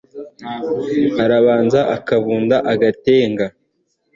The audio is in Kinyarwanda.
arabanza akabunda, agatega